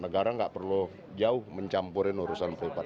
negara tidak perlu jauh mencampurkan urusan pribadi